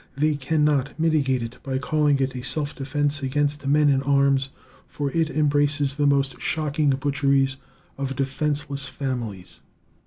They can not mitigate it by calling it a self defense against men in arms, for it embraces the most shocking butcheries of defenseless families.